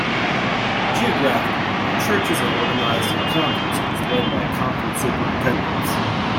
Geographically, churches are organized into conferences led by conference superintendents.